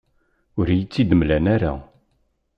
Ur iyi-tt-id-mlan ara.